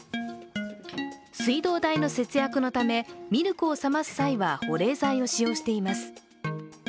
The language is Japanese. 水道代の節約のため、ミルクを冷ます際には保冷剤を使用しています。